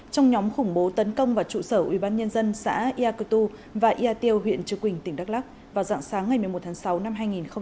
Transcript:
trong nhóm khủng bố tấn công vào trụ sở ubnd xã yakutu và yatio huyện trừ quỳnh tỉnh đắk lắk vào dặng sáng ngày một mươi một tháng sáu năm hai nghìn hai mươi ba